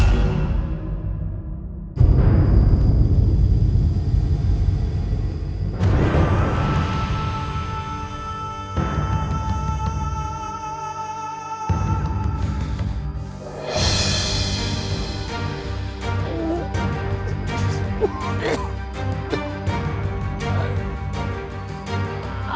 bagaimana cara mereka